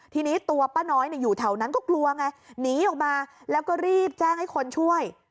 ทีนี้ตัวป้าน้อยอยู่แถวนั้นก็กลัวไงหนีออกมาแล้วก็รีบแจ้งให้คนช่วย